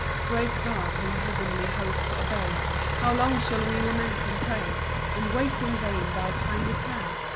3 Great God, whom heavenly hosts obey, How long shall we lament and pray, And wait in vain thy kind return?